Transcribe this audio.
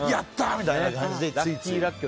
みたいな感じでついつい。